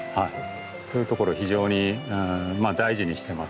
そういうところを非常に大事にしてますね。